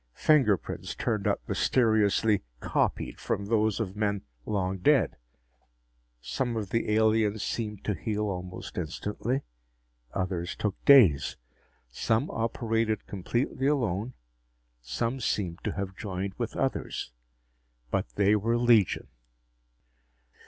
Fingerprints turned up mysteriously "copied" from those of men long dead. Some of the aliens seemed to heal almost instantly; others took days. Some operated completely alone; some seemed to have joined with others. But they were legion.